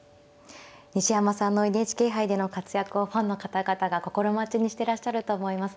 西山さんのＮＨＫ杯での活躍をファンの方々が心待ちにしてらっしゃると思います。